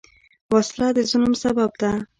وسله د ظلم سبب ده